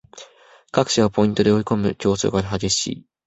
各社がポイントで囲いこむ競争が激しい